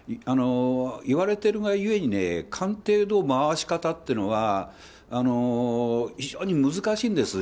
言われているがゆえに官邸の回し方っていうのは、非常に難しいんです。